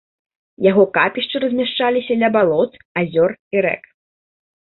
Яго капішчы размяшчаліся ля балот, азёр і рэк.